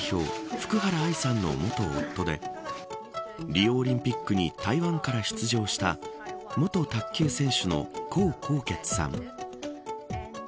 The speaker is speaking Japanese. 福原愛さんの元夫でリオオリンピックに台湾から出場した元卓球選手の江宏傑さん。